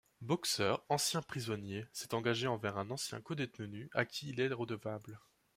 Boxer, ancien prisonnier, s'est engagé envers un ancien codétenu à qui il est redevable.